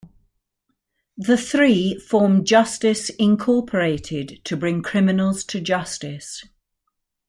The three form Justice, Incorporated to bring criminals to justice.